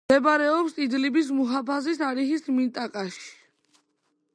მდებარეობს იდლიბის მუჰაფაზის არიჰის მინტაკაში.